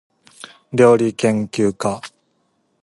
りょうりけんきゅうか